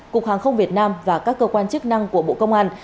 cục hàng không việt nam và các cơ quan chức năng của bộ công an